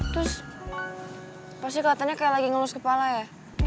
terus pasti kelihatannya kayak lagi ngelus kepala ya